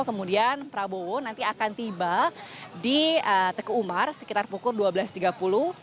kemudian prabowo nanti akan tiba di teguh umar sekitar pukul dua belas tiga puluh